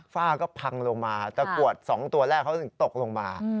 ฝ้าก็พังลงมาตะกรวด๒ตัวแรกเขาถึงตกลงมา